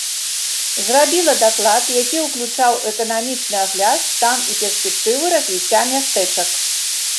Зрабіла даклад, які уключаў эканамічны агляд, стан і перспектывы развіцця мястэчак.